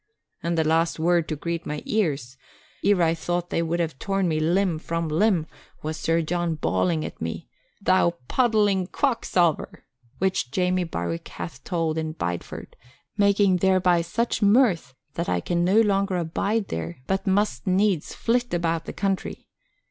And the last word to greet my ears, ere I thought they would have torn me limb from limb, was Sir John bawling at me, 'Thou puddling quacksalver!' which Jamie Barwick hath told in Bideford, making thereby such mirth that I can no longer abide there but must needs flit about the country.